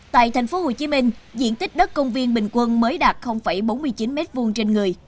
tại thành phố hồ chí minh diện tích đất công viên bình quân mới đạt bốn mươi chín mét vuông trên người